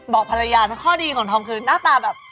บอกพญายาถ้าข้อดีของถอมคือน่าตาแบบ